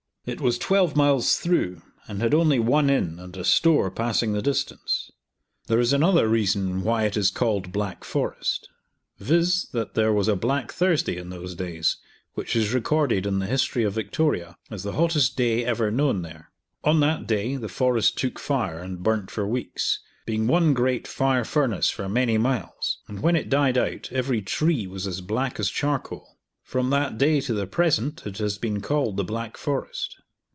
It was twelve miles through, and had only one inn and a store passing the distance. There is another reason why it is called Black Forest, viz., that there was a Black Thursday in those days, which is recorded in the "History of Victoria" as the hottest day ever known there. On that day the forest took fire, and burnt for weeks, being one great fire furnace for many miles, and when it died out every tree was as black as charcoal. From that day to the present it has been called the Black Forest.